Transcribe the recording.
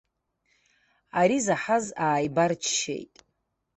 Ари заҳаз ааибарччеит.